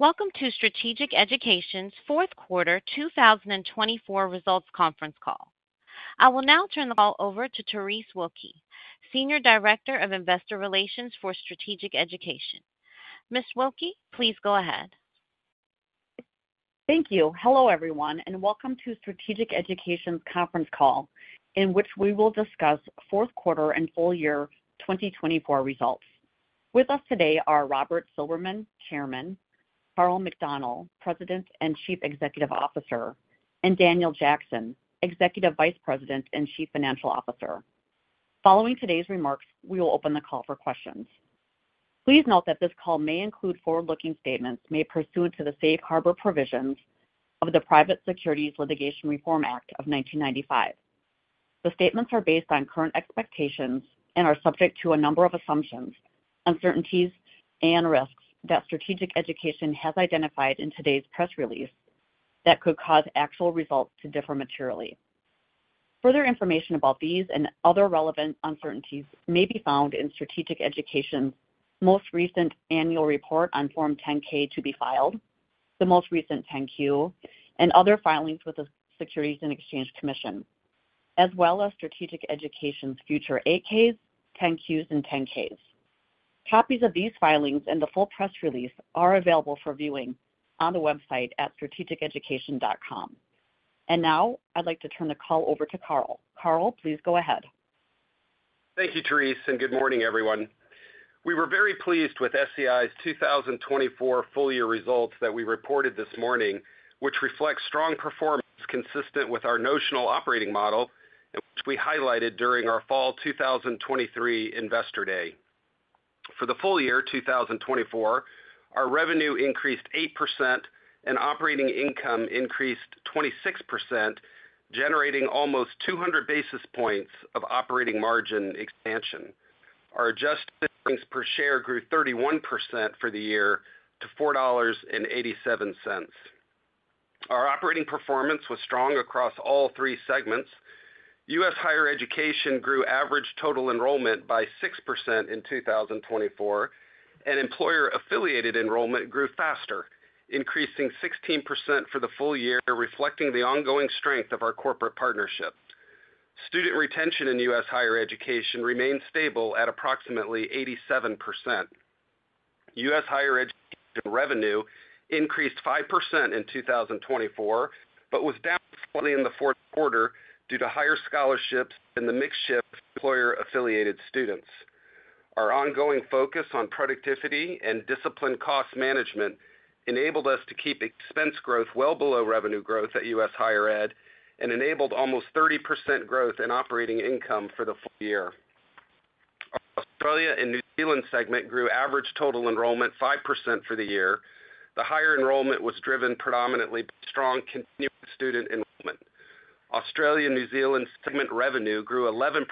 Welcome to Strategic Education's fourth quarter 2024 results conference call. I will now turn the call over to Terese Wilke, Senior Director of Investor Relations for Strategic Education. Ms. Wilke, please go ahead. Thank you. Hello, everyone, and welcome to Strategic Education's conference call in which we will discuss fourth quarter and full year 2024 results. With us today are Robert Silberman, Chairman, Karl McDonnell, President and Chief Executive Officer, and Daniel Jackson, Executive Vice President and Chief Financial Officer. Following today's remarks, we will open the call for questions. Please note that this call may include forward-looking statements made pursuant to the safe harbor provisions of the Private Securities Litigation Reform Act of 1995. The statements are based on current expectations and are subject to a number of assumptions, uncertainties, and risks that Strategic Education has identified in today's press release that could cause actual results to differ materially. Further information about these and other relevant uncertainties may be found in Strategic Education's most recent annual report on Form 10-K to be filed, the most recent 10-Q, and other filings with the Securities and Exchange Commission, as well as Strategic Education's future 8-Ks, 10-Qs, and 10-Ks. Copies of these filings and the full press release are available for viewing on the website at strategiceducation.com. And now I'd like to turn the call over to Karl. Karl, please go ahead. Thank you, Terese, and good morning, everyone. We were very pleased with SEI's 2024 full year results that we reported this morning, which reflect strong performance consistent with our notional operating model and which we highlighted during our Fall 2023 Investor Day. For the full year 2024, our revenue increased 8% and operating income increased 26%, generating almost 200 basis points of operating margin expansion. Our adjusted earnings per share grew 31% for the year to $4.87. Our operating performance was strong across all three segments. U.S. Higher Education grew average total enrollment by 6% in 2024, and employer-affiliated enrollment grew faster, increasing 16% for the full year, reflecting the ongoing strength of our corporate partnership. Student retention in U.S. Higher Education remained stable at approximately 87%. U.S. Higher Education revenue increased 5% in 2024 but was down slightly in the fourth quarter due to higher scholarships and the mixture of employer-affiliated students. Our ongoing focus on productivity and discipline cost management enabled us to keep expense growth well below revenue growth at U.S. Higher Ed and enabled almost 30% growth in operating income for the full year. Our Australia and New Zealand segment grew average total enrollment 5% for the year. The higher enrollment was driven predominantly by strong continuing student enrollment. Australia and New Zealand segment revenue grew 11%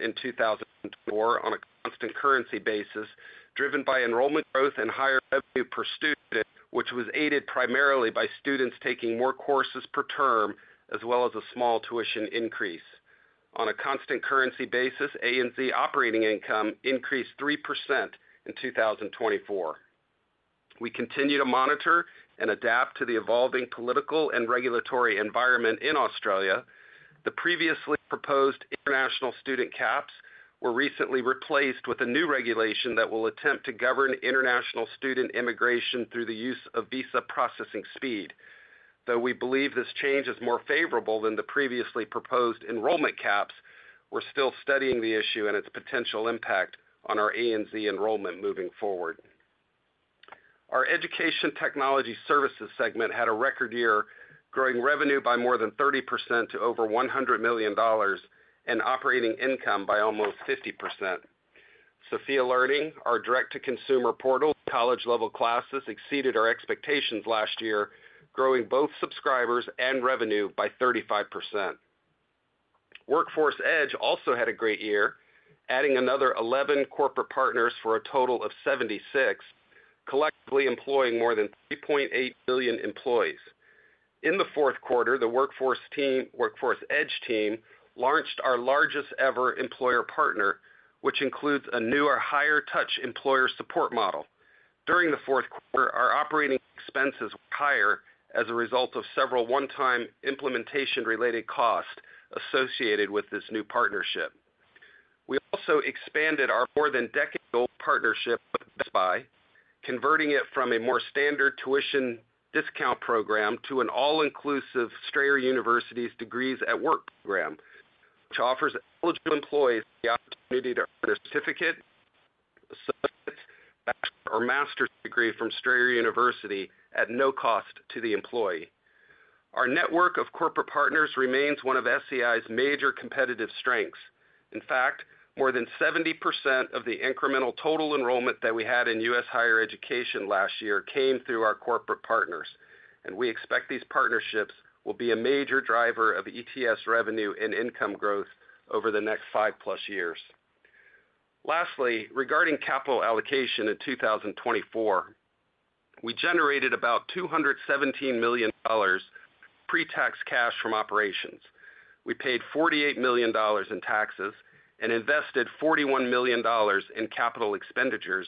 in 2024 on a constant currency basis, driven by enrollment growth and higher revenue per student, which was aided primarily by students taking more courses per term, as well as a small tuition increase. On a constant currency basis, ANZ operating income increased 3% in 2024. We continue to monitor and adapt to the evolving political and regulatory environment in Australia. The previously proposed international student caps were recently replaced with a new regulation that will attempt to govern international student immigration through the use of visa processing speed. Though we believe this change is more favorable than the previously proposed enrollment caps, we're still studying the issue and its potential impact on our ANZ enrollment moving forward. Our Education Technology Services segment had a record year, growing revenue by more than 30% to over $100 million and operating income by almost 50%. Sophia Learning, our direct-to-consumer portal, college-level classes exceeded our expectations last year, growing both subscribers and revenue by 35%. Workforce Edge also had a great year, adding another 11 corporate partners for a total of 76, collectively employing more than 3.8 million employees. In the fourth quarter, the Workforce Edge team launched our largest ever employer partner, which includes a newer higher-touch employer support model. During the fourth quarter, our operating expenses were higher as a result of several one-time implementation-related costs associated with this new partnership. We also expanded our more than decade-old partnership with Best Buy, converting it from a more standard tuition discount program to an all-inclusive Strayer University's Degrees at Work program, which offers eligible employees the opportunity to earn a certificate, associate's bachelor's or master's degree from Strayer University at no cost to the employee. Our network of corporate partners remains one of SEI's major competitive strengths. In fact, more than 70% of the incremental total enrollment that we had in U.S. Higher Education last year came through our corporate partners, and we expect these partnerships will be a major driver of ETS revenue and income growth over the next 5+ years. Lastly, regarding capital allocation in 2024, we generated about $217 million in pre-tax cash from operations. We paid $48 million in taxes and invested $41 million in capital expenditures,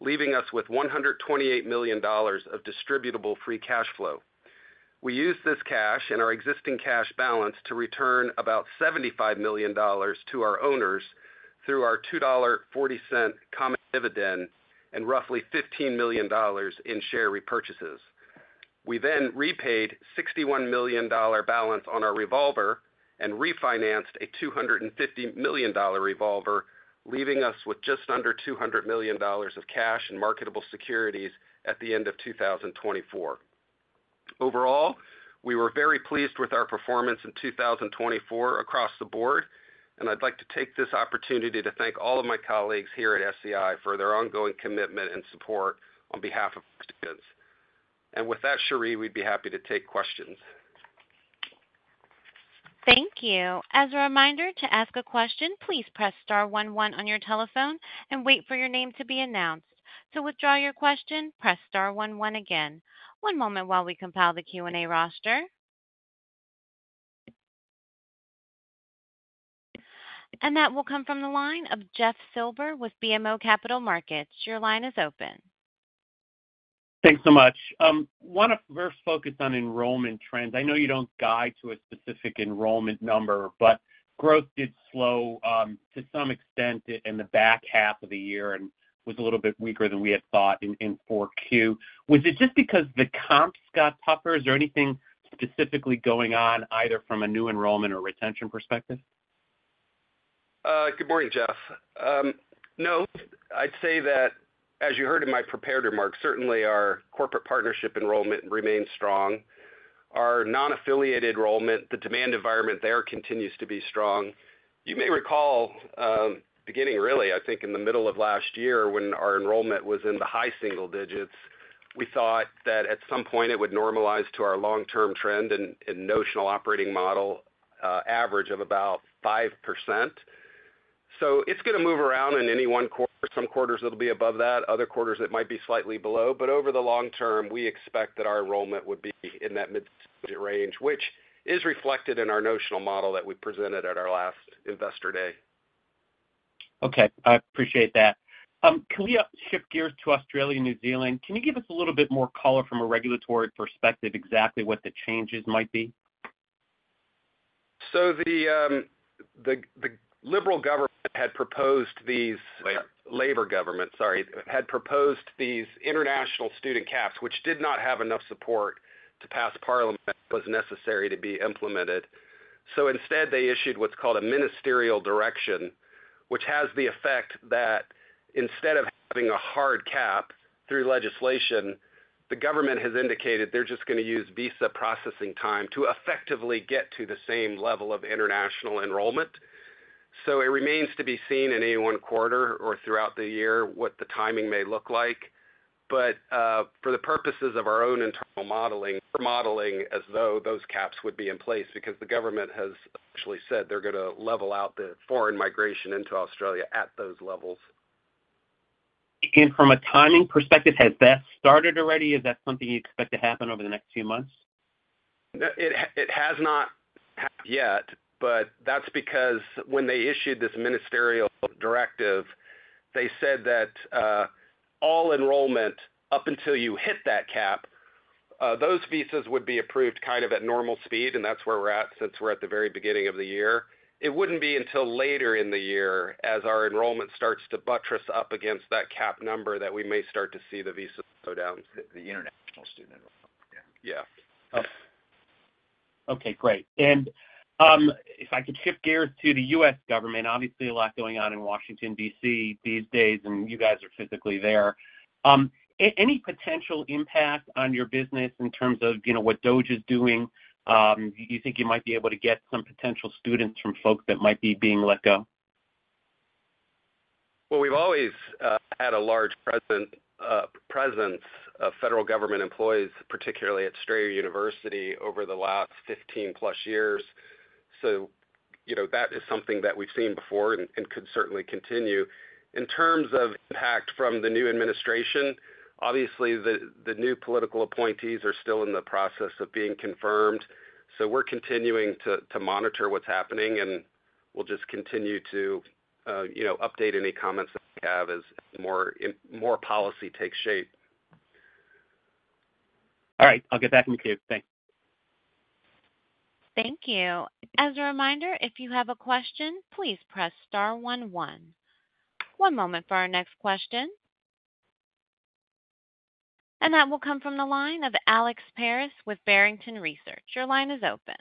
leaving us with $128 million of distributable free cash flow. We used this cash and our existing cash balance to return about $75 million to our owners through our $2.40 common dividend and roughly $15 million in share repurchases. We then repaid a $61 million balance on our revolver and refinanced a $250 million revolver, leaving us with just under $200 million of cash and marketable securities at the end of 2024. Overall, we were very pleased with our performance in 2024 across the board, and I'd like to take this opportunity to thank all of my colleagues here at SEI for their ongoing commitment and support on behalf of our students, and with that, Terese, we'd be happy to take questions. Thank you. As a reminder, to ask a question, please press star 11 on your telephone and wait for your name to be announced. To withdraw your question, press star 11 again. One moment while we compile the Q&A roster. And that will come from the line of Jeff Silber with BMO Capital Markets. Your line is open. Thanks so much. I want to first focus on enrollment trends. I know you don't guide to a specific enrollment number, but growth did slow to some extent in the back half of the year and was a little bit weaker than we had thought in Q4. Was it just because the comps got tougher? Is there anything specifically going on either from a new enrollment or retention perspective? Good morning, Jeff. No, I'd say that, as you heard in my prepared remarks, certainly our corporate partnership enrollment remains strong. Our non-affiliated enrollment, the demand environment there continues to be strong. You may recall beginning, really, I think in the middle of last year when our enrollment was in the high single digits, we thought that at some point it would normalize to our long-term trend and notional operating model average of about 5%. So it's going to move around in any one quarter. Some quarters it'll be above that, other quarters it might be slightly below. But over the long term, we expect that our enrollment would be in that mid-range, which is reflected in our notional model that we presented at our last investor day. Okay. I appreciate that. Can we shift gears to Australia and New Zealand? Can you give us a little bit more color from a regulatory perspective exactly what the changes might be? So the Liberal government had proposed these Labor government, sorry, had proposed these international student caps, which did not have enough support to pass parliament that was necessary to be implemented. So instead, they issued what's called a ministerial direction, which has the effect that instead of having a hard cap through legislation, the government has indicated they're just going to use visa processing time to effectively get to the same level of international enrollment. So it remains to be seen in any one quarter or throughout the year what the timing may look like. But for the purposes of our own internal modeling, we're modeling as though those caps would be in place because the government has actually said they're going to level out the foreign migration into Australia at those levels. And from a timing perspective, has that started already? Is that something you expect to happen over the next few months? It has not happened yet, but that's because when they issued this ministerial directive, they said that all enrollment up until you hit that cap, those visas would be approved kind of at normal speed, and that's where we're at since we're at the very beginning of the year. It wouldn't be until later in the year as our enrollment starts to butt up against that cap number that we may start to see the visas go down. The international student enrollment. Yeah. Okay. Great. And if I could shift gears to the U.S. government, obviously a lot going on in Washington, D.C. these days, and you guys are physically there. Any potential impact on your business in terms of what DOGE is doing? You think you might be able to get some potential students from folks that might be being let go? We've always had a large presence of federal government employees, particularly at Strayer University, over the last 15-plus years. So that is something that we've seen before and could certainly continue. In terms of impact from the new administration, obviously the new political appointees are still in the process of being confirmed. So we're continuing to monitor what's happening, and we'll just continue to update any comments that we have as more policy takes shape. All right. I'll get back to you. Thanks. Thank you. As a reminder, if you have a question, please press star 11. One moment for our next question. And that will come from the line of Alex Paris with Barrington Research. Your line is open.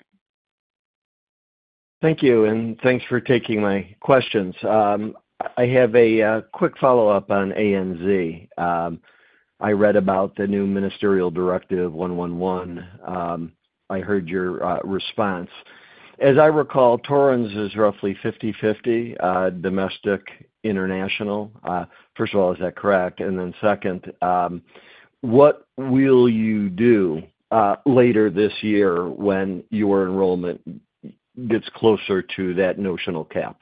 Thank you. And thanks for taking my questions. I have a quick follow-up on ANZ. I read about the new Ministerial Direction No. 111. I heard your response. As I recall, Torrens is roughly 50/50, domestic, international. First of all, is that correct? And then second, what will you do later this year when your enrollment gets closer to that notional cap?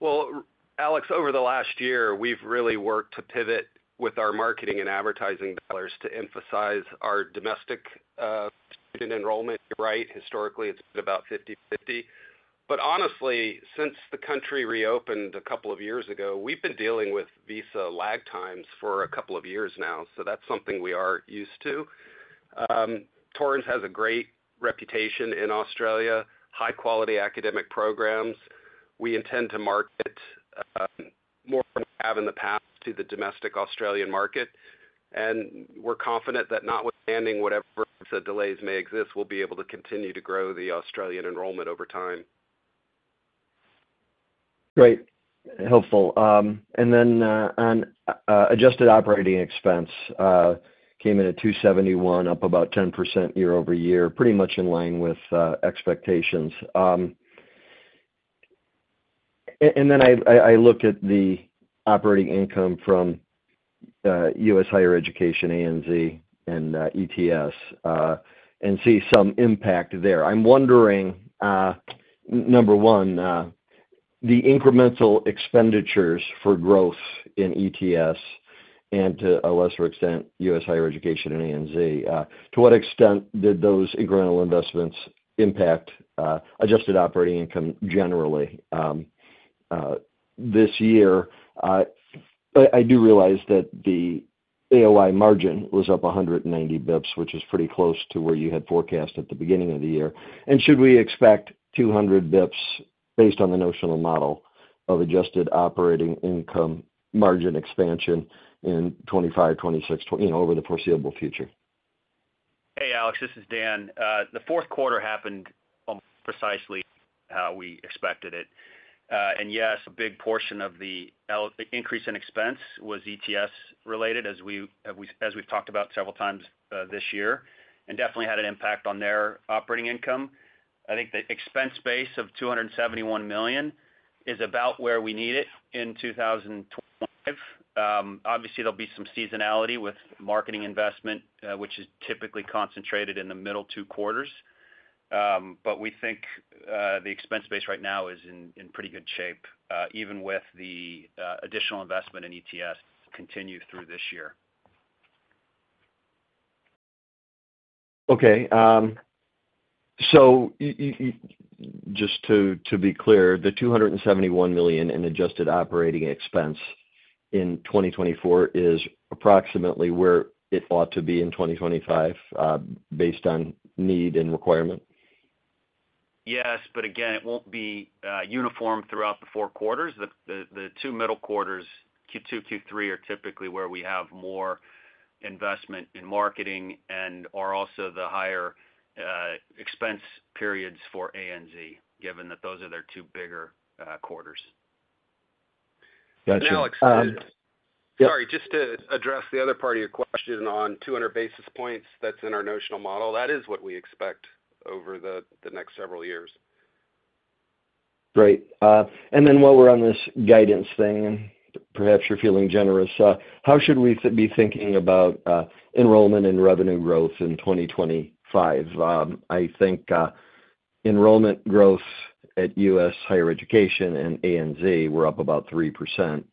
Well, Alex, over the last year, we've really worked to pivot with our marketing and advertising dollars to emphasize our domestic student enrollment. You're right. Historically, it's been about 50/50. But honestly, since the country reopened a couple of years ago, we've been dealing with visa lag times for a couple of years now. So that's something we are used to. Torrens has a great reputation in Australia, high-quality academic programs. We intend to market more than we have in the past to the domestic Australian market. And we're confident that notwithstanding whatever delays may exist, we'll be able to continue to grow the Australian enrollment over time. Great. Helpful. And then on adjusted operating expense, came in at 271, up about 10% year over year, pretty much in line with expectations. And then I look at the operating income from U.S. Higher Education, ANZ, and ETS, and see some impact there. I'm wondering, number one, the incremental expenditures for growth in ETS and, to a lesser extent, U.S. Higher Education and ANZ. To what extent did those incremental investments impact adjusted operating income generally this year? I do realize that the AOI margin was up 190 basis points, which is pretty close to where you had forecast at the beginning of the year. And should we expect 200 basis points based on the notional model of adjusted operating income margin expansion in 2025, 2026, over the foreseeable future? Hey, Alex, this is Dan. The fourth quarter happened almost precisely how we expected it. And yes, a big portion of the increase in expense was ETS-related, as we've talked about several times this year, and definitely had an impact on their operating income. I think the expense base of $271 million is about where we need it in 2025. Obviously, there'll be some seasonality with marketing investment, which is typically concentrated in the middle two quarters. But we think the expense base right now is in pretty good shape, even with the additional investment in ETS continue through this year. Okay. So just to be clear, the $271 million in adjusted operating expense in 2024 is approximately where it ought to be in 2025 based on need and requirement? Yes. But again, it won't be uniform throughout the four quarters. The two middle quarters, Q2, Q3, are typically where we have more investment in marketing and are also the higher expense periods for ANZ, given that those are their two bigger quarters. Alex. Sorry, just to address the other part of your question on 200 basis points that's in our notional model, that is what we expect over the next several years. Great. And then while we're on this guidance thing, and perhaps you're feeling generous, how should we be thinking about enrollment and revenue growth in 2025? I think enrollment growth at U.S. Higher Education and ANZ were up about 3%,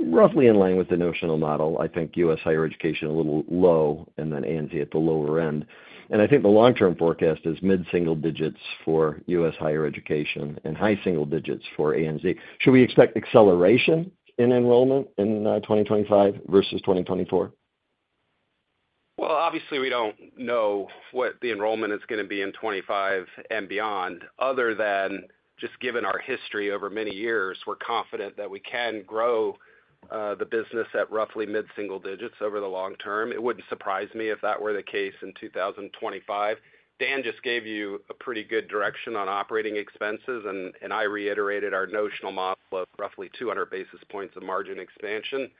roughly in line with the notional model. I think U.S. Higher Education a little low, and then ANZ at the lower end. And I think the long-term forecast is mid-single digits for U.S. Higher Education and high single digits for ANZ. Should we expect acceleration in enrollment in 2025 versus 2024? Obviously, we don't know what the enrollment is going to be in 2025 and beyond, other than just given our history over many years, we're confident that we can grow the business at roughly mid-single digits over the long term. It wouldn't surprise me if that were the case in 2025. Dan just gave you a pretty good direction on operating expenses, and I reiterated our notional model of roughly 200 basis points of margin expansion.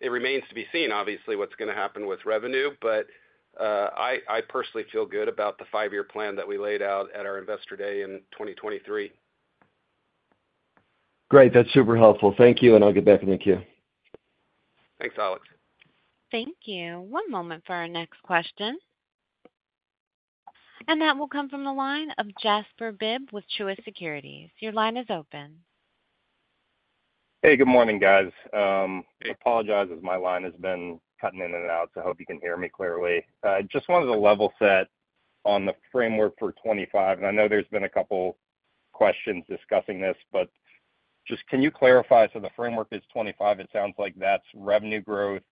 It remains to be seen, obviously, what's going to happen with revenue, but I personally feel good about the five-year plan that we laid out at our investor day in 2023. Great. That's super helpful. Thank you, and I'll get back to you. Thanks, Alex. Thank you. One moment for our next question. And that will come from the line of Jasper Bibb with Truist Securities. Your line is open. Hey, good morning, guys. I apologize as my line has been cutting in and out, so I hope you can hear me clearly. I just wanted to level set on the framework for 2025, and I know there's been a couple of questions discussing this, but just can you clarify? So the framework is 2025. It sounds like that's revenue growth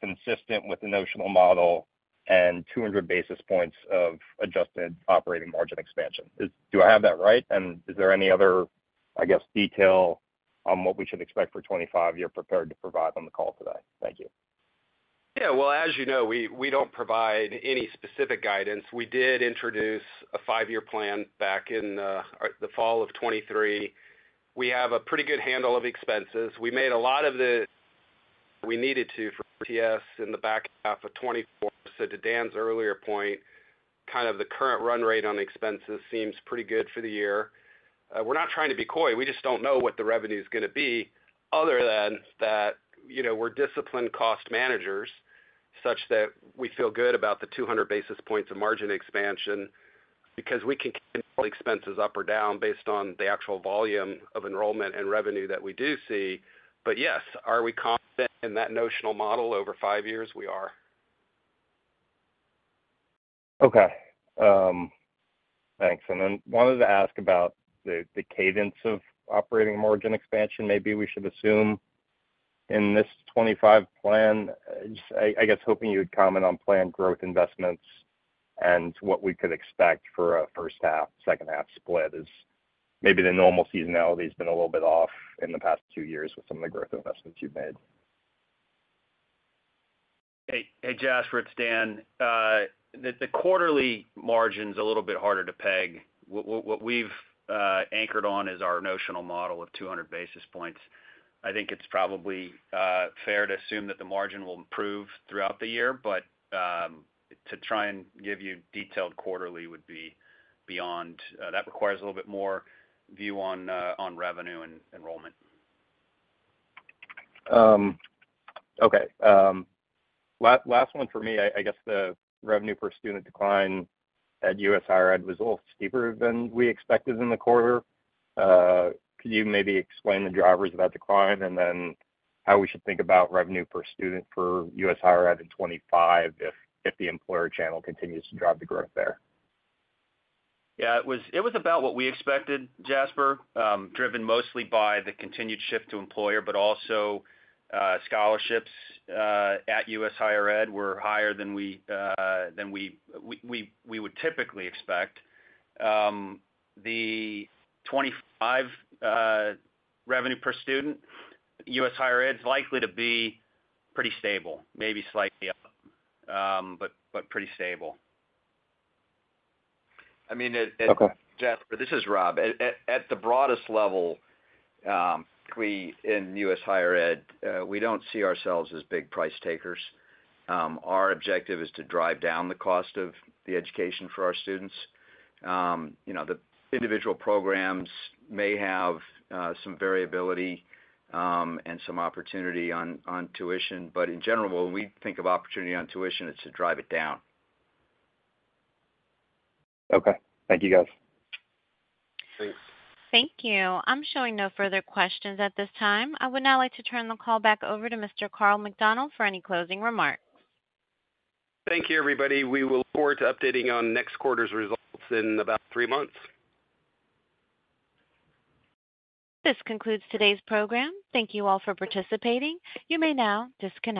consistent with the notional model and 200 basis points of adjusted operating margin expansion. Do I have that right, and is there any other, I guess, detail on what we should expect for 2025 you're prepared to provide on the call today? Thank you. Yeah. Well, as you know, we don't provide any specific guidance. We did introduce a five-year plan back in the fall of 2023. We have a pretty good handle of expenses. We made a lot of the we needed to for ETS in the back half of 2024. So to Dan's earlier point, kind of the current run rate on expenses seems pretty good for the year. We're not trying to be coy. We just don't know what the revenue is going to be other than that we're disciplined cost managers such that we feel good about the 200 basis points of margin expansion because we can expenses up or down based on the actual volume of enrollment and revenue that we do see. But yes, are we confident in that notional model over five years? We are. Okay. Thanks and then wanted to ask about the cadence of operating margin expansion. Maybe we should assume in this 2025 plan, I guess hoping you would comment on planned growth investments and what we could expect for a first half, second half split as maybe the normal seasonality has been a little bit off in the past two years with some of the growth investments you've made. Hey, Jasper, it's Dan. The quarterly margin is a little bit harder to peg. What we've anchored on is our notional model of 200 basis points. I think it's probably fair to assume that the margin will improve throughout the year, but to try and give you detailed quarterly would be beyond that requires a little bit more view on revenue and enrollment. Okay. Last one for me, I guess the revenue per student decline at U.S. Higher Ed was a little steeper than we expected in the quarter. Could you maybe explain the drivers of that decline and then how we should think about revenue per student for U.S. Higher Ed in 2025 if the employer channel continues to drive the growth there? Yeah. It was about what we expected, Jasper, driven mostly by the continued shift to employer, but also scholarships at U.S. Higher Ed were higher than we would typically expect. The 2025 revenue per student U.S. Higher Ed is likely to be pretty stable, maybe slightly up, but pretty stable. I mean, Jasper, this is Rob. At the broadest level in U.S. Higher Ed, we don't see ourselves as big price takers. Our objective is to drive down the cost of the education for our students. The individual programs may have some variability and some opportunity on tuition, but in general, when we think of opportunity on tuition, it's to drive it down. Okay. Thank you, guys. Thanks. Thank you. I'm showing no further questions at this time. I would now like to turn the call back over to Mr. Karl McDonnell for any closing remarks. Thank you, everybody. We will look forward to updating on next quarter's results in about three months. This concludes today's program. Thank you all for participating. You may now disconnect.